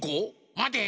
まて！